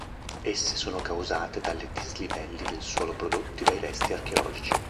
Esse sono causate dalle dislivelli del suolo prodotti dai resti archeologici.